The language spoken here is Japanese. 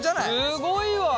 すごいわ。